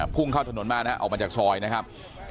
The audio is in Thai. พุ่งเข้าถนนมานะครับออกมาจากซอยนะครับ